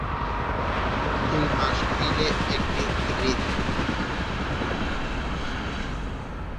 দুই মাস মিলে একটি ঋতু।